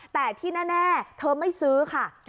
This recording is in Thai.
แต่ที่แน่เธอไม่ซื้อค่ะ